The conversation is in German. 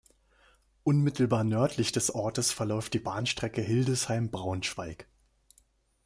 Unmittelbar nördlich des Ortes verläuft die Bahnstrecke Hildesheim–Braunschweig.